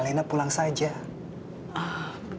kava bubuk oh kava bubuk